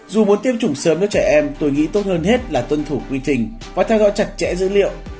dù muốn tiêm chủng sớm cho trẻ em tôi nghĩ tốt hơn hết là tuân thủ quy trình và theo dõi chặt chẽ dữ liệu